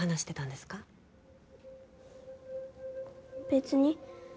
別に。